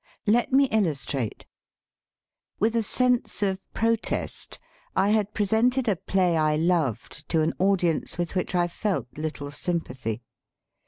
Let me illustrate. With a sense of protest, I had presented a play I loved, to an audience with which I felt little sympathy.